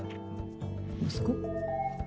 息子？